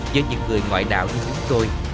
do những người ngoại đạo như chúng tôi